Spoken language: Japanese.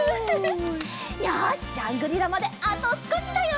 よしジャングリラまであとすこしだよ！